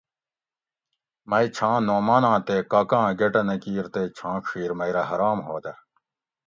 "مئی چھاں نعماناں تے کاکاں گۤٹہ نہ کیر تے چھاں ڄِھیر مئی رہ حرام ہودہ"""